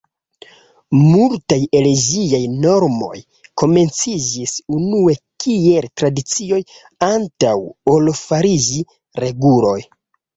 Multaj el ĝiaj normoj komenciĝis unue kiel tradicioj antaŭ ol fariĝi reguloj.